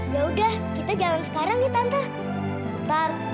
yaudah kita jalan sekarang ya tante